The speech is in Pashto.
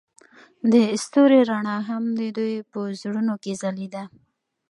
د ستوري رڼا هم د دوی په زړونو کې ځلېده.